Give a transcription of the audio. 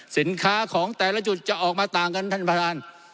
สินค้าของแต่ละจุดจะออกมาต่างกันท่านประธาน